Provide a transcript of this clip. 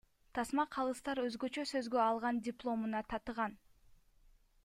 Тасма Калыстар өзгөчө сөзгө алган дипломуна татыган.